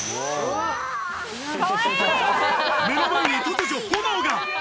目の前に突如、炎が！